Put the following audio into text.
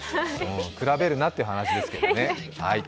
比べるなって話ですけどね。